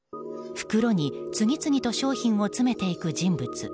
袋に次々と商品を詰めていく人物。